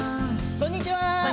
こんにちは。